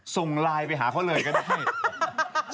ส่งไลน์ไปหาเขาเลยก็ได้พี่